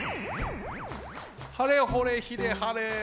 はれほれひれはれ。